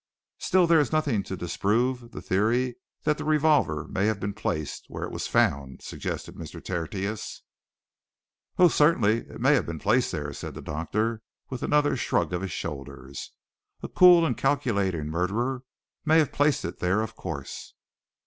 "Still, there is nothing to disprove the theory that the revolver may have been placed where it was found?" suggested Mr. Tertius. "Oh, certainly it may have been placed there!" said the doctor, with another shrug of the shoulders. "A cool and calculating murderer may have placed it there, of course."